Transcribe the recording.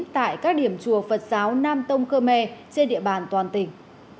tại các điểm chùa phật giáo nam tông khơ me trên địa bàn toàn tỉnh